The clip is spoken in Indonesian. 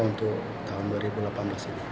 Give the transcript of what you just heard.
untuk mencari kebutuhan yang lebih baik